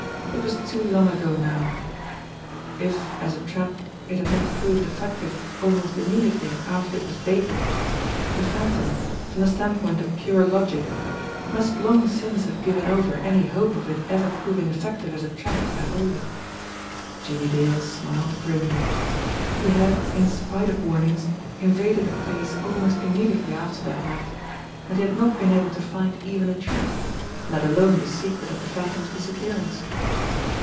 It was too long ago now. 189 190 JIMMIE DALE AND THE PHANTOM CLUE If, as a trap, it had not proved effective almost immediately after it was baited, the Phantom, from the standpoint of pure logic, must long since have given over any hope of it eve* proving effective as a trap at all. Jimmie Dale smiled grimly. He had, in spite of warnings, invaded the place almost immediately after that night and he had not been able to find even a trap, let alone the secret of the Phantom's disappearance!